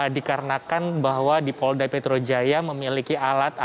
dikarenakan bahwa di polda metro jaya memiliki alat